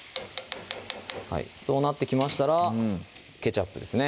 そうなってきましたらケチャップですね